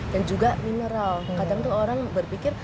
dan juga mineral kadang tuh orang berpikir